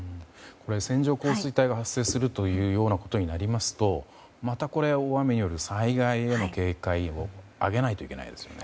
線状降水帯が発生することになりますとまた大雨による災害への警戒度を上げないといけないですよね。